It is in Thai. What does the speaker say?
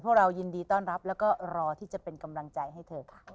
เรายินดีต้อนรับแล้วก็รอที่จะเป็นกำลังใจให้เธอค่ะ